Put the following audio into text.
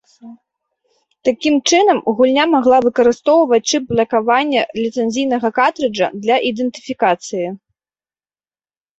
Такі чынам, гульня магла выкарыстоўваць чып блакавання ліцэнзійнага картрыджа для ідэнтыфікацыі.